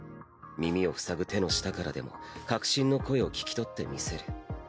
耳を塞ぐ手の下からでも確信の声を聞き取ってみせる。